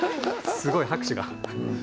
すごい、拍手が。